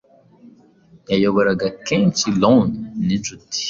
Yayoboraga kenshi lorn ninshuti